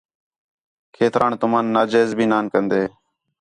کھیتران تُمن نا جائزی بھی نان کندے